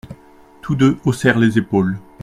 Tous deux haussèrent les épaules.